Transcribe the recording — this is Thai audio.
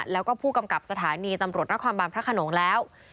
แล้วก็ผู้กำกับสถานีตำรวจนครบานพระขนงแล้ว